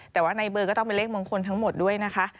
แต่ว่าในเบอร์ก็ต้องเป็นเลขมงคลทั้งหมดด้วยนะคะ